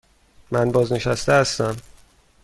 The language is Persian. من بازنشسته هستم.